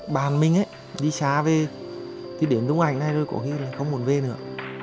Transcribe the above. bàn mình ấy đi xa về thì đến tùng ảnh này rồi cũng nghĩ là không muốn về nữa